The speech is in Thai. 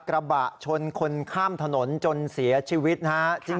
กระบะชนคนข้ามถนนจนเสียชีวิตนะฮะ